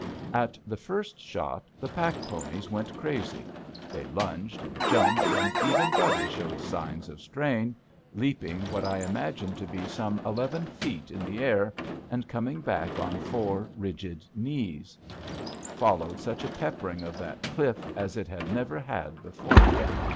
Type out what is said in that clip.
At the first shot, the pack ponies went crazy. They lunged and jumped, and even Buddy showed signs of strain, leaping what I imagine to be some eleven feet in the air and coming back on four rigid knees. Followed such a peppering of that cliff as it had never had before.